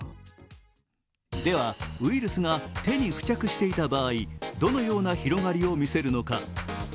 では、ウイルスが手に付着していた場合、どのような広がりを見せるのか。